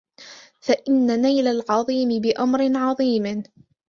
فَإِنَّ نَيْلَ الْعَظِيمِ بِأَمْرٍ عَظِيمٍ